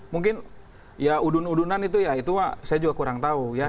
mungkin ya udun udunan itu ya itu saya juga kurang tahu ya